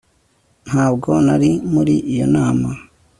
Ntabwo nari muri iyo nama